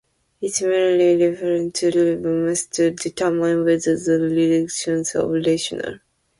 It merely referred to a reviewing method to determine whether the rejection was rational.